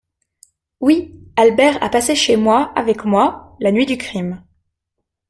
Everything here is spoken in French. Oui ! Albert a passé chez moi, avec moi, la nuit du crime.